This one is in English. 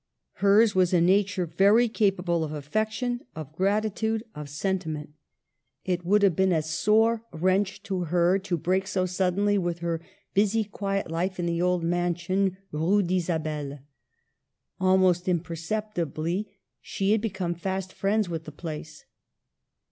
Hers was a nature very capable of affection, of gratitude, of sentiment. It would have been a THE RECALL. 139 sore wrench to her to break so suddenly with her busy, quiet life in the old mansion, Rue d'Isabelle. Almost imperceptibly she had become fast friends with the place.